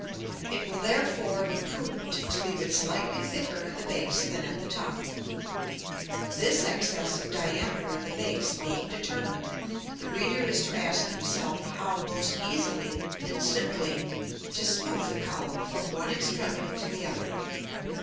It will therefore be prudent to leave it slightly thicker at the base than at the top. This excess of diameter at the base being determined, the reader is to ask himself how most easily and simply to smooth the column from one extremity to the other.